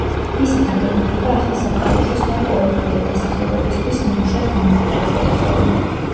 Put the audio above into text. მისი დაგეგმარება ახალ სამყაროში სხვა კოლონიური დასახლებებისთვის ნიმუშად გამოიყენებოდა ხოლმე.